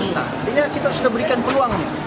nah kita sudah berikan peluang ini